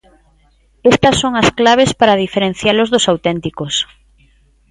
Estas son as claves para diferencialos dos auténticos.